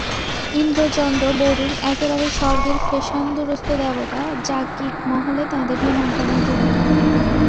ইন্দ্র চন্দ্র বরুণ একেবারে স্বর্গের ফ্যাশানদুরস্ত দেবতা, যাজ্ঞিকমহলে তাঁদের নিমন্ত্রণও জুটত।